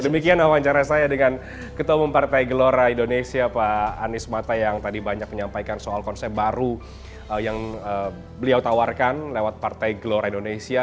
demikian wawancara saya dengan ketua umum partai gelora indonesia pak anies mata yang tadi banyak menyampaikan soal konsep baru yang beliau tawarkan lewat partai gelora indonesia